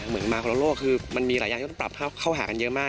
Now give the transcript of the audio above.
เหมือนมาคนละโลกคือมันมีหลายอย่างที่ต้องปรับเข้าหากันเยอะมาก